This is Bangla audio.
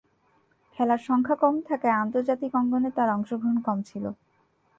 খেলার সংখ্যা কম থাকায় আন্তর্জাতিক অঙ্গনে তার অংশগ্রহণ কম ছিল।